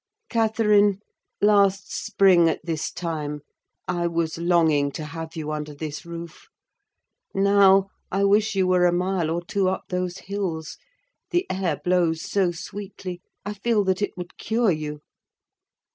Catherine, last spring at this time, I was longing to have you under this roof; now, I wish you were a mile or two up those hills: the air blows so sweetly, I feel that it would cure you."